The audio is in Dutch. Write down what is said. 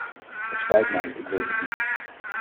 Het spijt mij, ik weet het niet.